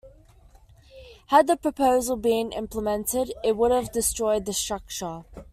Had the proposal been implemented, it would have destroyed the structure.